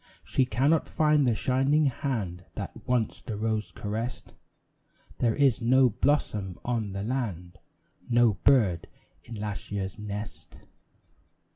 She cannot find the shining hand That once the rose caressed; There is no blossom on the land, No bird in last year's nest.